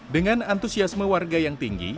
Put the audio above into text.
dengan antusiasme warga yang tinggi